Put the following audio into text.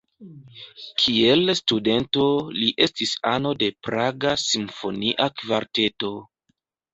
Kiel studento li estis ano de Praga simfonia kvarteto.